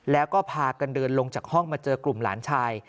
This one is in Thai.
แล้วก็พากันเดินลงจากห้องมาเจอกลุ่มหลานชาย